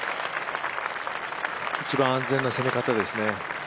一番安全な攻め方ですね。